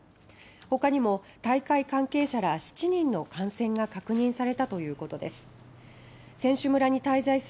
ほかにも大会関係者ら７人の感染が確認されたということです。